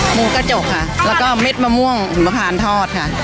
หมูกระจกค่ะแล้วก็เม็ดมะม่วงหุมพานทอดค่ะ